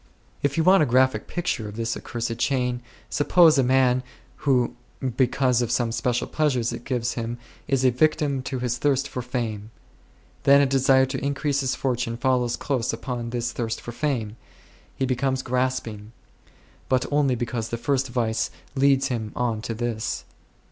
If you want a graphic picture of this accursed chain, suppose a man who because of some special pleasure it gives him is a victim to his thirst for fame ; then a desire to increase his fortune follows close upon this thirst for fame ; he becomes grasping ; but only because the first vice leads him on to this.